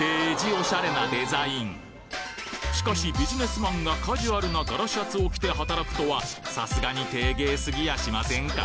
オシャレなデザインしかしビジネスマンがカジュアルな柄シャツを着て働くとはさすがにテーゲーすぎやしませんか？